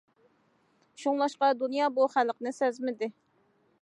شۇڭلاشقا دۇنيا بۇ خەلقنى سەزمىدى.